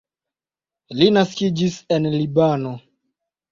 Li naskiĝis en Libano.